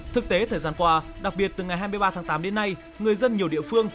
thực tế thời gian qua đặc biệt từ ngày hai mươi ba tháng tám đến nay người dân nhiều địa phương